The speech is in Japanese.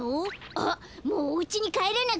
あっもうおうちにかえらなくちゃ。